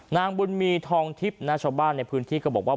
นางบุญมีทองทิพย์นะชาวบ้านในพื้นที่ก็บอกว่า